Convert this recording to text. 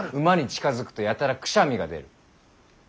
馬に近づくとやたらくしゃみが出る。